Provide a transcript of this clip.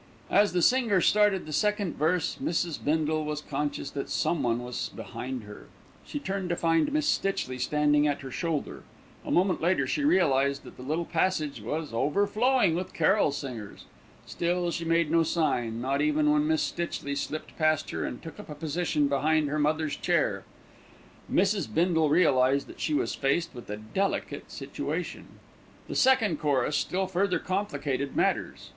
As the singer started the second verse, Mrs. Bindle was conscious that someone was behind her. She turned to find Miss Stitchley standing at her shoulder. A moment later she realised that the little passage was overflowing with carol singers. Still she made no sign, not even when Miss Stitchley slipped past her and took up a position behind her mother's chair. Mrs. Bindle realised that she was faced with a delicate situation. The second chorus still further complicated matters. Mrs.